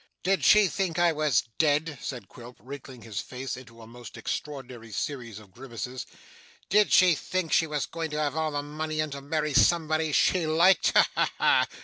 'Did she think I was dead?' said Quilp, wrinkling his face into a most extraordinary series of grimaces. 'Did she think she was going to have all the money, and to marry somebody she liked? Ha ha ha!